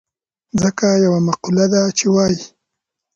ځکه يوه مقوله ده چې وايي.